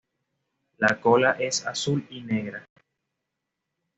La cola es azul y negra.